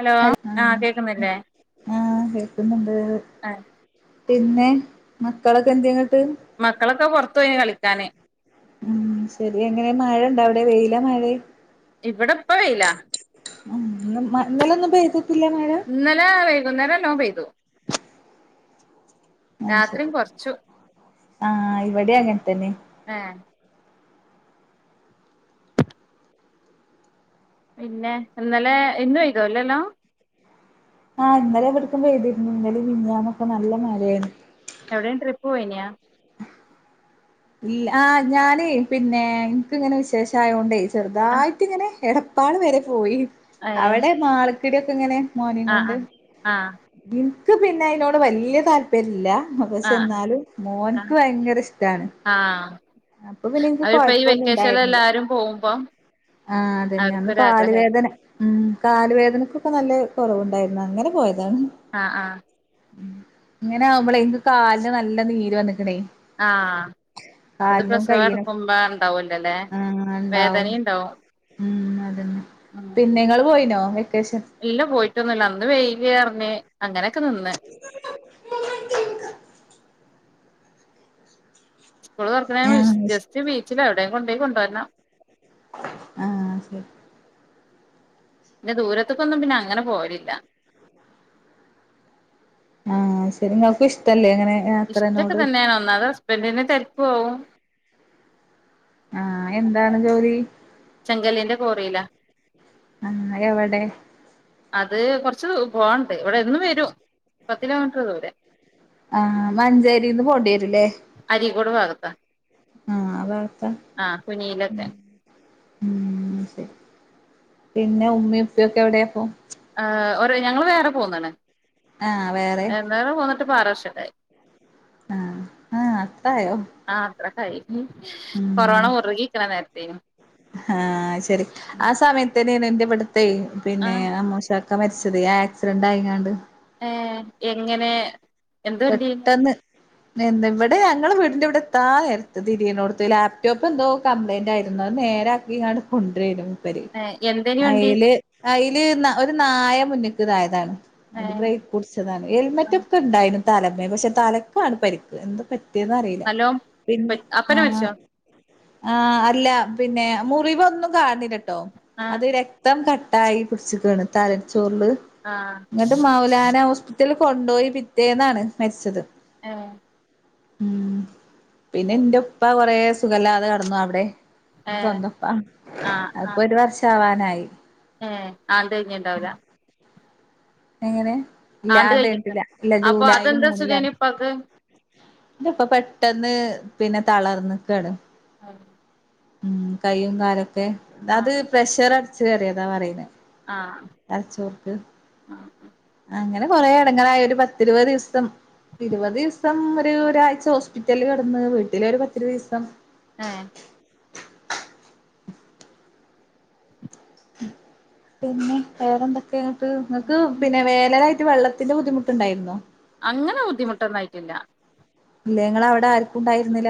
Hello ഹ ആഹ് കേക്കുന്നില്ലേ ആഹ കേക്കുന്നുണ്ട് ആഹ് പിന്നെ മക്കളൊക്കെ എന്തെ മക്കളൊക്കെ പുറ തോയി കളിക്കാന് ഉം ശരി എങ്ങനെ മഴ ഉണ്ട അവിടെ വെയിലോ മഴ ഇവിടെപ്പം വയ്ലാ ഉ ഇന്നലൊന്നും പെയ്തിട്ടില്ല മഴ ഇന്നല വൈകന്നരം നാലോം പൈതു അ ശരി ആഹ ഇവിടെ അങ്ങനത്തന്നെ ഏഹ് പിന്നെ ഇന്നലെ ഇന്ന് പെ യ്തോല്ലല്ലോ ആഹ ഇന്നലെ എവിടക്കും പ്തിരുന്നു ഇന്നലെ മി ഞാന്നും നല്ല മഴയായിരുന്നു എവിടൊ ട്രിപ്പ് പോയിനാ ല്ല ആഹ ഞാനേ പിന്നെ എനക്ക് ഇങ്ങനെ വിശേഷയൊണ്ടേ ആഹ് ചെറുതായിട്ട് ഇങ്ങനെ എടപ്പാൾ വരെ പോയി ഏഹ് അവിടെ മാർ ഇടിയൊക്കെങ്ങനെ മോനിം കൊണ്ട് ആഹ് ആഹ് ക്ക് പിന്നെ അയ്നോട് വല്ല്യ താല്പര്യല്ല ആഹ് അവിടെശെന്നാലും മോൻ- ആഹ് ആഹ് ഭയങ്കര ഇഷ്ടാണ്- ആഹ് അപ്പൊ പിന്നെനിക്ക് അവരിപ്പ ഈ കൊഴപ്പൊന്നും വെക്കേഷനിൽ ഇണ്ടായിരുന്നില്ല എല്ലാരും പോകുമ്പോ ആഹ് അതന്നെ അന്ന് കാല് അവർക്കൊരാഗ്രഹല്ലേ വേദന- ഉം കാല് വേദനക്കൊക്കെ നല്ല കുറവുണ്ടായിരുന്നു അങ്ങനെ പോയേര് ആഹ് ആഹ ഉ ഇങ്ങനെ ആവുമ്പോളേ എനിക്ക് കാൽന് നല്ല നീര് വന്നക്കണേ- ആഹ് അത് പ്രസവഅടുക്കുമ്പാ ആഹ ഉണ്ടാവും ഉം അതന്ന ഉം പിന്നെ നിങ്ങള് പോയിനോ? വെക്കേഷൻ ഇല്ല പോയി റ്റൊന്നല്ല അന്ന് വെയ്ലിആർന്ന് അങ്ങനൊക്കെ നിന്ന് സ്കൂൾ തുറക്കണ വെശ് ആഹ് ജസ്റ്റ് ബീച്ചില എവിടെ കൊണ്ടോയി കൊണ്ടോരണം ആഹ് ശരി- പിന്നെ ദൂരത്തക്കൊന്നും പിന്നെ അങ്ങനെ പോവലില്ല ആഹ് ശരിങ്ങക്കു ഇഷ്ടല്ലേ അങ്ങനെ ഇഷ്ട്ടൊക്കെ യാത്രനോട് തന്നെയാണ് ഒന്നാതെ ഹസ്‌ബെൻഡിന് തെരക്കുവാവും ആഹ് എന്താണ് ജോലി? ചെങ്കല്ലിന്റെ കോറിലാ. ആ എവിടെ? അത് കൊറച്ച് ദൂ പോവാൻണ്ട് ഇവിടെ എന്നും വരും പത്ത് കിലോമീറ്റർ ദൂരെ. ആഹ് മഞ്ചേരിന്ന് പോണ്ടി വരൂലേ? ക്കോട് ഭാഗത്താ. ആഹ് ആ ഭാഗത്താ? ആഹ് കുനിയിലൊക്കെ ഉം ശരി പിന്നെ ഉമ്മേം ഉപ്പയൊക്കെ എവിടെയപ്പോ? ആഹ് ഓറ് ഞങ്ങള് വേറെ പോന്നണ്. ആഹ് വേറേ ഇപ്പാറ് വർഷക്കായി. ആഹ് ആഹ് അത്രായോ? യി. കൊറോണ മുറുകി നിക്കണ നേരത്ത്. [unintelligible] ഹാ ശരി ആ സമയത്ത് ലിനഡിവിടെ തെയ പിന്നെ ആഹ് ആ മോശ ഒക്കെ മരിച്ചത് ആക്സിഡന്റ് ആയി ങ്ങാണ്ട് ഏഹ് എങ്ങനെ എന്ത് വണ്ടീന് പെട്ടെന്ന് ന്താ ഇവിടെ ഞങ്ങൾ വീടിന്റെ ഇവിടെ എത്താ നേരത്ത് തിരിയനോട്‌ത്ത് ലാപ്ടോപ്പെന്തോ കംപ്ലൈന്റ് ആയിരുന്നു അത് നേരാക്കിങ്ങാണ്ട് കൊൻഡ്രെരുന്നു പര് ഏഹ് എന്തേനി വണ്ടി അയ്ല് അയ്ല് ന്ന ഒരു നായ മുന്നിക്ക്‌ തായതാണ് ഏഹ് ബ്രേക്ക് പുടിച്ചതാണ് ഹെൽമറ്റൊക്കെ ഉണ്ടായിരുന്നു തലപ്പെ പക്ഷെ തലക്കാണ് പരിക്ക് എന്തോ പറ്റിയന്നറിയില്ല നല്ലോം പിന്നെ പറ്റ് അപ്പനെ ആഹ് മരിച്ചോ ആഹ അല്ല പിന്നെ മുറിവ് ഒന്നും കാണില്ലട്ടെ ട്ടോ ആഹ് അത് രക്തം ക ട്ടായി പിടിച്ചിക്കാണ് തലച്ചോറില് ആഹ് [unintelligible] മാവിലാന ഹോസ്പിറ്റൽ കൊണ്ടപോയി പിറ്റേന്നാണ് മരിച്ചത് ആഹ് ഉം പിന്നെ എന്റെ ഒപ്പ കൊറേ സുഖയില്ലതെ കടന്നു അവിടെ ഏഹ് സ്വന്തപ്പം [unintelligible] ഒരു വർഷം ആവാ ആയി ഏ ആണ്ട് കഴിഞ്ഞണ്ടാവില്ല എങ്ങനെ ആണ്ട് ഇല്ലാണ്ട് കഴിഞ്ഞട്ട കഴിഞ്ഞിട്ടില്ല ഇല്ല അപ്പൊ ജൂലൈയില് അതെന്താ മൂന്നിലാണ് [unintelligible] പക് [unintelligible] [unintelligible] പെട്ടെന്ന് പിന്നെ [unintelligible] ആഹ് ഉം കൈയ്യും കാലൊക്കെ [unintelligible] പ്രഷർ ചേറിയതാ പറയുന്നേ ആഹ് തറച്ചോർക്ക് അങ്ങനെ കൊറെേ ഇടങ്ങായി ഒരു പത്തിരുപത് ദിവസം ഇരുപത് ദിവസം ഒരാഴ്ച ഹോസ്പിറ്റലില് കിടന്ന് വീട്ടില ഒരു പത്തിരുപത് ദിവസം ആഹ് പിന്നെ വേറെന്താ [unintelligible] നിങ്ങക്ക് പിന്നെ [unintelligible] വെള്ളത്തിന്റെ ബുദ്ധിമുട്ടുണ്ടായിരുന്നോ? അങ്ങനെ ബുദ്ധിമുട്ടൊന്നായിട്ടില്ല. നിങ്ങടെ അവിടെ ആർക്കും ഉണ്ടായിരുന്നില്ല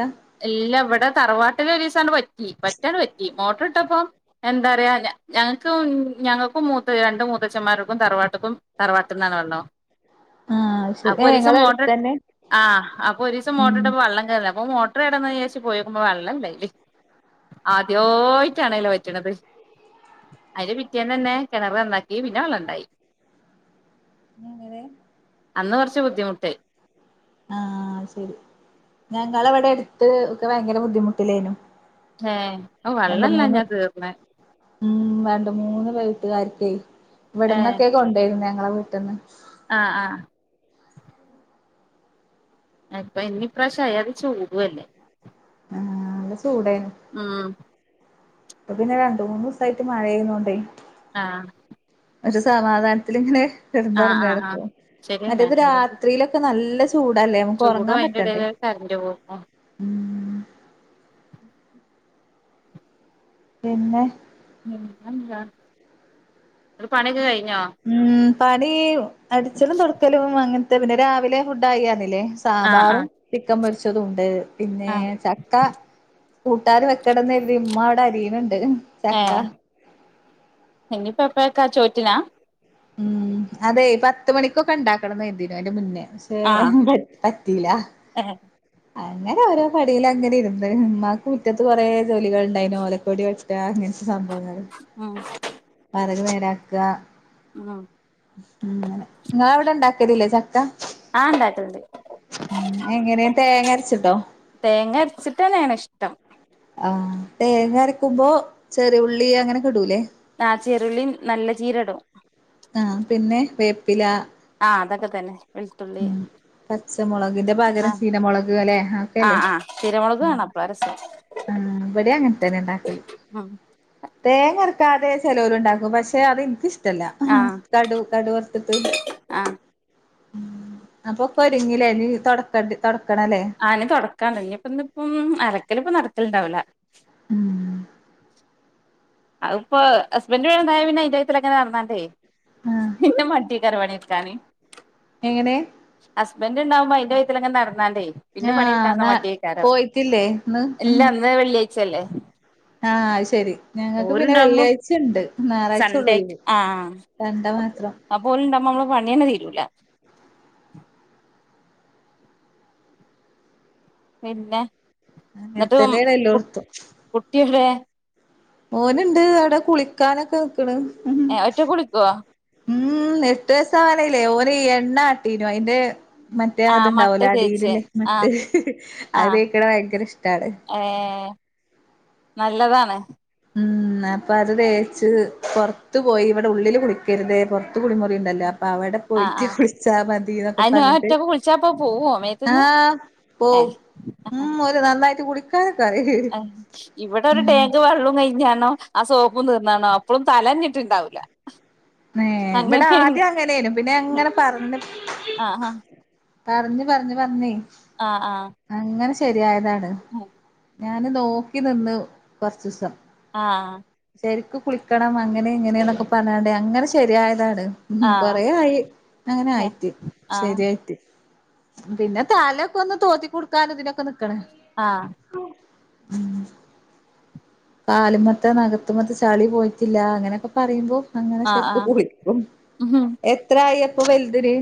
ഇല്ല ഇവടെ തറവാട്ടില് ഒരുസം അങ്ങട് വറ്റി വറ്റാണ്ട് വറ്റി മോട്ടറ് [unintelligible] ഇട്ടപ്പം എന്താ പറയാ ഞ ഞങ്ങക്കും ഞങ്ങക്കും മൂത്ത രണ്ട് മൂത്തച്ഛന്മാർക്കും തറവാട്ട്ക്കും തറവാട്ടിന്നാണ് വെള്ളം. ആഹ് അത് ശരി അപ്പൊ ഏഹ് ഒരുസം ഇങ്ങളെ മോട്ടറ് അടുത്തന്നെ ആ അപ്പൊ ഒരുസം ഉം മോട്ടറിട്ടപ്പൊ വള്ളം കേർണില്ല അപ്പോ മോ ഇത്ര നേരം എന്താ വിചാരിച്ച് പോയോക്കുമ്പോ വള്ളം ഇല്ല അയില്, ആദ്യായിട്ടാണ് അതില് വറ്റണത്, അതിൻ്റെ പിറ്റേന്ന് തന്നെ കെണറ് നന്നാക്കി പിന്നെ വെള്ളം ഇണ്ടായി. [unintelligible] അന്ന് കൊറച്ച് ബുദ്ധിമുട്ടായി ആഹ് ശെരി ഞങ്ങളവടെടുത്ത് ഒക്കെ ഭയങ്കര ബുദ്ധിമുട്ടിലേനു. ഏ ഓ രണ്ട് വെള്ളല്ല മൂന്ന് ഞാൻ തീർന്ന് ഉം രണ്ട് മൂന്ന് വീട്ടുകാര് [unintelligible] ഏ ഇവിടന്നൊക്കേ കൊണ്ടോയിരുന്നേ നിങ്ങള വീട്ടിന്ന് ആ ആ അപ്പൊ ഇന്നി പ്രാശ്യം [unintelligible] ചൂടു അല്ലേ ആ നല്ല ചൂടേ ഉം അപ്പൊ പിന്നെ രണ്ട് മൂന്ന് ദിവസായിട്ട് മഴ പെയ്യുന്നോണ്ടെ ആ ഒരു സമാധാനത്തിലിങ്ങനെ ആ ആ കെടന്നുറങ്ങാണ് ആ ഇപ്പൊ ശരിയന്നെ മറ്റേത് അല്ലെങ്കിൽ രാത്രിയിലൊക്കെ നല്ല ചൂടല്ലേ, നമുക്ക് ചൂടും ഉറങ്ങാൻ അതിന്റെ പറ്റണ്ടെ? ഇടയില് കറന്റ് പോകും ഉം പിന്നെ? പിന്നെന്താ? ഒരു പണക്ക് കയി ഞ്ഞോ? ഉം പണി. അടിച്ചലും, തൊടക്കലും അങ്ങനെ ത് പിന്നെ രാവിലെ ഫുഡായന്നില്ലേ? ആ ആ സാമ്പാറും, ചിക്കൻ പൊരിച്ചതും ഉണ്ട്, പിന്നെ ആ ചക്ക കൂട്ടാൻ വെക്കണംന്ന് കരുതി ഉമ്മ അവിടെ അരിയണ. [unintelligible] ചക്ക. ഇനിപ്പോ എപ്പഴക്കാ ചോറ്റിനാ? ഉം അതെ പത്ത് മണിക്കൊക്കെ ഉണ്ടാക്കണം എന്നും അതിന്റെ മുന്നേ പക്ഷെ ആ [unintelligible] പറ്റീല. ഏ അങ്ങനെ ഓരോ പടിൽ അങ്ങനെ ഇരുന്ന് ഉമ്മാക്ക് മുറ്റത്ത് കുറെ ജോലികൾ ഉണ്ടായിന് ഓലക്കോടി വെട്ട അങ്ങന സംഭങ്ങളും. ഉം അതൊരു വേരാക്കുക. ഉം ങ്ങനെ നിങ്ങടെ അവിടെണ്ടാ തരിലെ ചക്ക ആ ഉണ്ടാക്കലുണ്ട് എങ്ങനെയ തേങ്ങ ചുട്ടോ തേങ്ങ അരച്ചിട്ട് തന്നെയാണ് ഇഷ്ടം ആ തേങ്ങ അരക്കുമ്പോ ചെറിയഉള്ളി അങ്ങനെക്കെ ഇടൂല്ലേ ആ ചെറുളി നല്ല ജീരകോം ഇടും ആ പിന്നെ വേപ്പില ആ അതൊക്കെ തന്നെ വെളുത്തുള്ളി ഉം പച്ചമുളകിന്റെ പകരം ആ ചീനമുളക് അല്ലെ ഒക്കെല്ലേ ആഹ് ആഹ് ചീരമുളക് വേണം അപ്പളാ രസം ആ ഇവിടെ അങ്ങനെ തന്നെ ഉണ്ടാക്കല് തേങ്ങ- ക്ക അതെ ചിലവരു ഉണ്ടാക്കും പക്ഷെ അത്- ഇഷ്ടല്ല ആഹ് കടു കടു വറത്തട്ട് ആഹ് അപ്പൊ കൊരങ്ങയിലെ ഇനി തൊടക്കമിട്ട് തൊട അതിന് തുടക്കാ തന്നെ ഇപ്പം. [unintelligible] ഇണ്ടാവില്ല. അതിപ്പോ ഹസ്ബൻഡ് [unintelligible] പിന്നെ [unintelligible] എങ്ങനെ നടന്നാണ്ടേ. ആഹ് എന്ന മട്ട [unintelligible] എങ്ങനെ ഹുസ്ബൻഡ് ഉണ്ടാവു അതില്. [unintelligible] വേണ്ടേ പിന്നെ ആഹ് പണിയെടുക്കാൻ ന്നാ മടിയെകാരം പോയിട്ടില്ലേ ഇന്ന് ല്ല ഇന്ന് വെള്ളിയാ ച്ചല്ലേ ആഹ് ശരി ഞങ്ങക്ക് ഓൽ പിന്നെ ഇണ്ടാവുമ്പോ വെള്ളിയാഴ്ച ഇണ്ട് ഞായറാഴ്ച ഒള്ളു സൺ‌ഡേ ഒഴിവ് ആഹ് രണ്ട മാത്രം അപ്പ ഒൽ ഇണ്ടാവുമ്പോ നമ്മളെ പണിയെന്നെ തീരുല്ല. പിന്നെ അങ്ങനെ എന്നിട്ട് മ് തന്നെയാണ് കു കുട്ടി വിടെ ഓനുണ്ട് അവിടെ കുളിക്കാനൊക്കെ നിക്ക്ണ് ഏഹ് ഒറ്റക്ക് കുളിക്കുവോ. ഉം എട്ട് വയസ്സാവാനായില്ലേ ഓൻ എണ്ണ ആട്ടിന് അയിന്റെ മറ്റേ ആഹ് മട്ട അതുണ്ടാവുലെ തേച്ച് അടിയില് ആഹ് മറ്റേ അത് ആഹ് തേക്കണ് ഭയങ്കര ഇഷ്ടാണ്. ഏഹ് നല്ലതാണ് ഉം അപ്പ അത് തേച്ച് പുറത്ത് പോയി ഇവിടെ ഉള്ളില് കുളി കരുത് പുറത്ത് കുളിമുറി ഉണ്ടല്ലോ അപ്പൊ അവിടെ ആഹ് പോയിട്ട് ആഹ് കുളിച്ചാ മതി എന്നൊക്കെ അയിന് പറഞ്ഞിട്ട് ഒറ്റക്ക് കുളിച്ചാപ്പ പോവോ മേത്ത്ന്ന് ആഹ് പോവും ഏഹ് മ് ഓല് നന്നായിട്ട് കുളി [unintelligible] ആഹ് ഇവിടെ ഒരു ടാങ്ക് വെള്ളവും കഴിഞ് ട്ടാ ണോ ആ സോപ്പും തീർന്നാണോ അപ്പോഴും തല നനഞ്ഞിട്ടുണ്ടാവില്ല. ഏഹ് ഇവിടെ ആദ്യം അങ്ങനെയേനും പിന്നെ അങ്ങനെ പറഞ്ഞ് ആഹ് പറഞ്ഞു പറഞ്ഞു പറഞ്ഞെ. ആഹ് ആഹ് ശരിയായതാ. [unintelligible] ഞാന് നോക്കി നിന്നു കൊറച്ച്സം. ആഹ് ശരിക്ക് കുളിക്കണം അങ്ങനെ ഇങ്ങനെയണൊക്കെ പറഞ്ഞോണ്ട്. അങ്ങനെ ശരിയായത്. അതാണ് ഉം ആഹ് കൊറെ ആഹ് ആയി അങ്ങനെ ആയിട്ട് ആഹ് ശരിയായിട്ട്. പിന്നെ തലയൊക്കെ ഒന്ന് തോർത്തി കൊടുക്കാനും ഇതിനൊക്കെ നിൽക്കണ് ആഹ് ഉം കാലുമത്ത നഗത്തുമത്ത ചളി പോയിട്ടില്ല അങ്ങനെയൊക്കെ പറയുമ്പോ ആഹ് റ്റക്ക് ആഹ് കുളിക്കും ഉം എത്ര ആയി ഇപ്പോം വൽതിന്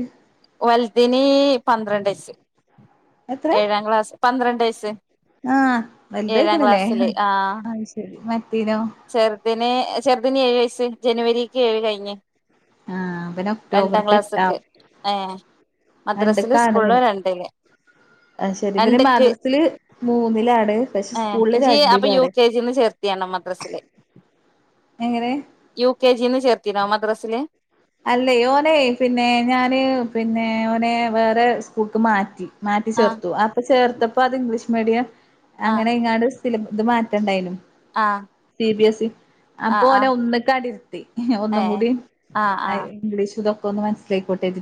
വൽതിന് പന്ത്രണ്ട യിച് എത്ര ഏഴാം ക്ലാസ് പന്ത്രണ്ട് വയസ്സ് ആഹ് ഏഴാം വലുതായ്ക്കണിലേ അത് ശരി മ ചെറുദിന് ചെറ്ദിന് ഏഴ് വയസ്സ് ക്ക് ജനുവരിക്ക് ഏഴ് കഴിഞ്ഞ് ആഹ് പിന്നെ രണ്ടാം ഒക്ടോബർക്ക് ക്ലാസ്ക്ക് എട്ടാവും ഏഹ് രണ്ട് മദ്രസില് സ്കൂളില് ക്കാണ്ഇവന് രണ്ടില് ആ ശരി ഇവല് രണ്ട്ക്ക് മദ്രസിൽ മൂന്നിലാണ് പക്ഷെ ഏഹ് സ്കൂളില് രണ്ടിലാണ് റസില് എങ്ങനെ യു ക്കെ ജി ന്ന് ചേർത്തിനോ മദ്രസില് അല്ലേ ഓനെ പിന്നെ ഞാന് പിന്നെ ഓനെ വേറെ സ്കൂൾക്ക് മാറ്റി മാറ്റി ആഹ് ചേർത്തു അപ്പ ചേർത്ത അപ്പൊ ഇംഗ്ലീഷ് മീഡി യാ ആഹ് അങ്ങനെ ഇങ്ങാട് സിലും ഇത് മാറ്റേണ്ടായേനും ആഹ് സി ബി എസ് ഇ ആഹ് അപ്പൊ നെ ആഹ് ഒന്നക്കടിരുത്തി ഒന്നും ഏഹ് കൂടിയും ആഹ് ഐ ആഹ് ഇംഗ്ലീഷ് [unintelligible] തൊക്ക ഒന്ന് മസ്സിലായിക്കോട്ടെ [inaudible]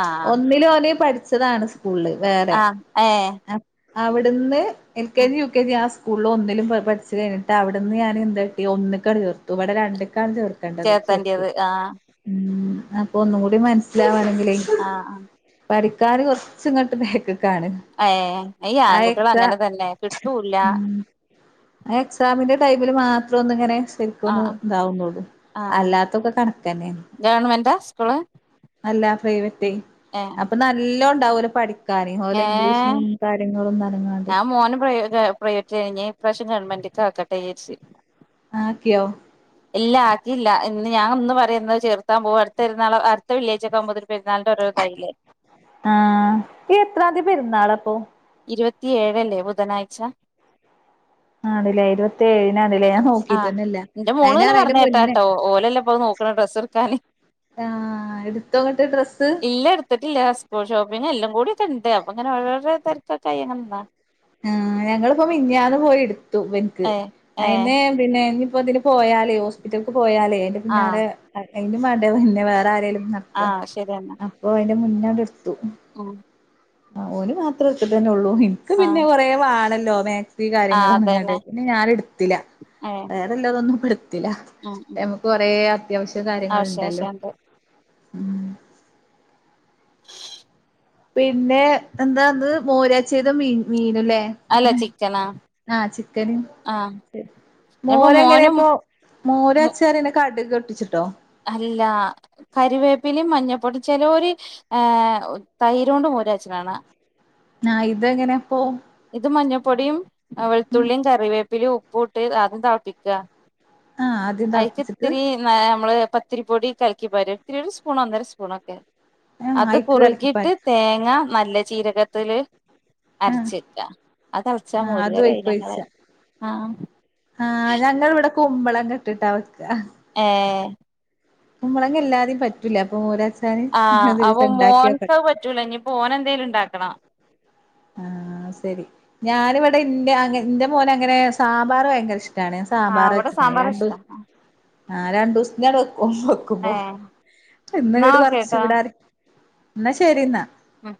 ആഹ് ഒന്നി [inaudible] [unintelligible] ച്ചതാണ് സ്കൂളില് വേറെ ആഹ് ഏഹ് [inaudible] അവിടുന്ന് എൽക്കെ ഉം ജി യു കെ ജി യ [unintelligible] സ്കൂളിൽ ഒന്നിലും പഠിച്ചു കഴിഞ്ഞിട്ട് അവിടുന്ന് ഞാൻ [unintelligible] ഒന്ന് കടി തീർത്തു ഇവിടെ രണ്ട് [unintelligible] [unintelligible] ചീർക്കേണ്ടത് ചെർക്ക് ചേർത്തണ്ടിയത് ആഹ് ഉം അപ്പൊ ഒന്നുംകൂടി മനസ്സിലാവ [unintelligible] ആഹ് [unintelligible] ക്കാര് കുറച്ചും ഇങ്ങോട്ട് [unintelligible] ഏ ഈ ആൺകുട്ടികൾ അങ്ങനെ തന്നെ കിട്ടൂല്ല ഉം ആ എക്സാമിന്റെ ടൈമില് മാത്രം ഒന്ന ഇങ്ങന ശരിക്കുംഒന്ന് ആഹ് ഇതാവുന്നുള്ളു ആഹ് അല്ലാത്തൊക്കെ കണ ഗവൺമെന്റാ സ്കൂള് അല്ല പ്രൈവറ്റ് ഏഹ് അപ്പൊ നല്ലോണ ണ്ടാവരു പഠിക്കും കാര്യ പോലെ ഇംഗ്ലീഷും ഏഹ് കാര്യങ്ങളും ന ഞാൻ മോനെ പ്രൈവറ്റ് കഴിഞ്ഞ ഇപാവശ്യം ഗവൺമെന്റ് കക്കട്ടേസി ആക്കെയോ ഇല്ല ആക്കിയില്ല ഇന്ന് ഞാൻ ഒന്ന് പറയുന്നത് ചേർത്താൻ പോക അടുത്തരാള അടുത്ത വള്ളേജൊക്കെകുമ്പോ എത്രാന്തിപെരുന്നാള പ്പൊ ഇരുപത്തിയേഴല്ലേ ബുധനാഴ്ച ആണ്ല്ലേ ഇരുപത്തി ഏഴിനാണ്ല്ലേ ഞാൻ ആ നോക്കിട്ടന്നെല്ല എന്റെ മോള് ഇങ്ങനെ അയിനാണ് അയിന്റെ പറഞ്ഞ കേട്ടാ മുന്നേ കേട്ടോ ഓലല്ല നോക്കണ ഡ്രസ്സ് എടുക്കാന് ആഹ് എടുത്തോങ്ങട്ട് ഡ്രസ്സ് ഇല്ല എടുത്തിട്ടില്ല ഡ്രസ്സ്‌ ഷോപ്പിങ് എല്ലാം കൂടി അപ്പണ്ട് അങ്ങനെ ഓരോരോ തി ഇപ്പോ കൈ എങ്ങനാന്ന ആ ഞങ്ങളിപ്പോ മി ഞ്ഞാന്ന് പോയി എ തുവി ക്ക് ഏഹ് ഏഹ് അയിനെ പിന്നെ അപ്പ അതിന് പോയാലെ ഹോസ്പിറ്റലക്ക് പോയാലേ എ ന്റെ പിന്നാല ആഹ് എ തിന്റെ മ ട പിന്നെ വേറെ ആരേലും ന ക്ക ആഹ് ശരിയെന്നാ അപ്പൊ എന്റെ മുന്നടോ ശ് ഉം ആ ഒ രു മാത്രമ തന്നെ ഉള്ളൂ നിക്ക് പിന്നെ ആഹ് കൊറേ വാണല് ലോമാക് ഈ കാര്യങ്ങൾ ആഹ് ഇറങ്ങട്ടെ അതന്നെ പിന്നെ ഞാനെടുത്തില്ല ഏഹ് വേറെല്ലാതോന്നും തില ഉം ഉം മക്ക് കൊറെ അത്യാവശ്യ കാര്യങ്ങൾണ്ടല്ലോ അവശേഷണ്ട് ഉ പിന്നെ എന്താന്ന് മോരാച്ച്ത മീൻ മീനല്ലേ അല്ല ചിക്കനാ ആ ചിക്കന് ആഹ് ഇപ്പൊ മോര മോനും എങ്ങനെയപ്പോ മോരച്ചാറും ഇതോട്ടിച്ചിട്ടോ അല്ല കറിവേപ്പിലയും മഞ്ഞപ്പൊട്ടും ചെലോരു ആ തൈരോണ്ടും മോരാച്ചിലാണ് ആ ഇതെങ്ങനെയാ അപ്പൊ ഇത് മഞ്ഞൾപ്പൊടിയും വെളുത്തുള്ളിയും കറിവേപ്പിലയും ഉപ്പ ഇട്ട് ആദ്യം തിളപ്പിക്കുക ആഹ് ആദ്യം തെളപ്പിച്ചിട്ട് അയിക്ക്ത്തിരി നമ്മള് പത്തിരിപൊടി കൽക്കി ബരും [unintelligible] സ്പൂൺ ഒന്നര സ്പൂൺ ഒക്കെ ആഹ് അത് അയ്ക്ക് കുറുകീട്ട് കലക്കിപ്പാരും തേങ്ങ നല്ല ചീരകത്തില് ആഹ് അരച്ച് അത് അടച്ചാ ആഹ് അതും മോരുകറിയായി ഞങ്ങള് അയ്ക്കൊഴിച്ച ആഹ കുമ്പളം കെട്ടിട്ട വെക്കുക യേ കുമ്പളഞ്ഞ ഇല്ലാതെയും പറ്റൂല അപ്പോ ആഹ് അപ്പൊ മോൻക്ക് അത് പറ്റൂല ഇനി പോ ഓന് എന്തെലും ണ്ടാക്കണം ആ ശരി ഞാനിവിടെ ഇന്റെ അ ഇന്റെ മോനെ അങ്ങനെ സാമ്പാർ ഭയങ്കര ഇഷ് റ്റണേ സാമ്പാർ ആഹ് ഇവിടെ വെച്ചക്കണ് ഈ സാമ്പാറാ രണ്ടും ഇഷ്ടം ആ രണ്ട് ദിവസനടു ഓ വക്കുമ്പോ ഏഹ് എന്ന് എന്നാ കേട് കൊറച്ച് ഓക്കേട്ടോ ചൂടാറി എന്ന ശരിന്നാ മ്